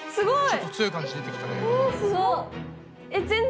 ちょっと強い感じ出てきたね。